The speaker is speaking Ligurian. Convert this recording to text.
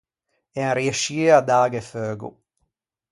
Ean riescie à dâghe feugo.